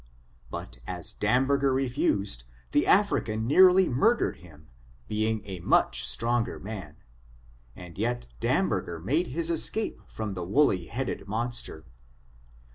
But as Damberger refused, the Afncan nearly murdered him, being a much stronger man, and yet Damberger made his escape from the woolly headed monster.